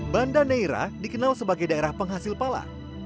banda neira dikenal sebagai daerah penghasil pala